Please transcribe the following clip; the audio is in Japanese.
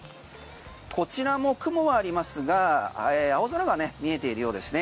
こちらも雲はありますが青空が見えているようですね。